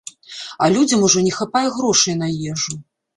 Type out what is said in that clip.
А людзям ужо не хапае грошай на ежу.